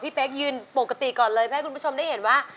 กับพี่เป๊กยืนปกติก่อนเลยให้คุณผู้ชมได้เห็นว่า